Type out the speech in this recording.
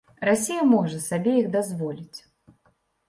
Расія можа сабе іх дазволіць.